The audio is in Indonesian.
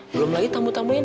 belum lagi tambah tambahin